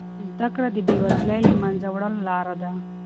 زده کړه د بې وزلۍ د له منځه وړلو لاره ده.